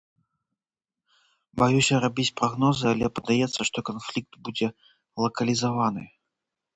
Баюся рабіць прагнозы, але падаецца, што канфлікт будзе лакалізаваны.